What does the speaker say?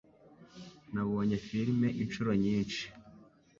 Nabonye film inshuro nyinshi